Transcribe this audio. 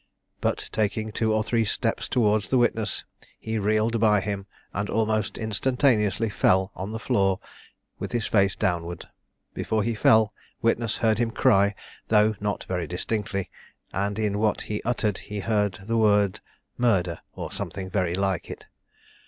But taking two or three steps towards the witness, he reeled by him, and almost instantaneously fell on the floor with his face downward. Before he fell, witness heard him cry, though not very distinctly; and in what he uttered, he heard the word "murder!" or something very like it.